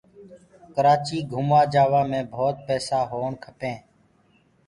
ڪرآچيٚ گھموآ جآوآ مي ڀوت پيسآ هوو کپينٚ